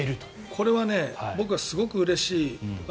これは僕はすごくうれしい。